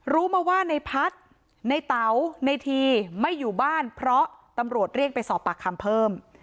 รู้มาว่าในพัฒน์ในเต๋าในทีไม่อยู่บ้านเพราะตำรวจเรียกไปสอบปากคำเพิ่ม